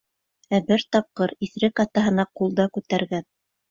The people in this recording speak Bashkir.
Ә бер тапҡыр иҫерек атаһына ҡул да күтәргән.